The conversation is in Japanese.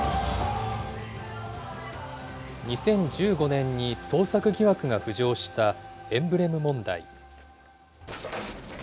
２０１５年に盗作疑惑が浮上したエンブレム問題。